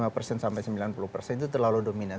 lima persen sampai sembilan puluh persen itu terlalu dominan